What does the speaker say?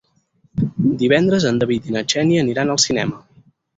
Divendres en David i na Xènia aniran al cinema.